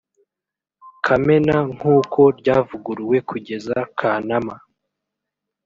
kamena nkuko ryavuguruwe kugeza kanama